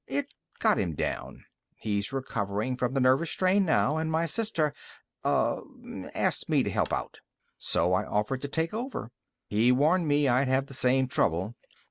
It got him down. He's recovering from the nervous strain now, and my sister ... eh, asked me to help out. So I offered to take over. He warned me I'd have the same trouble."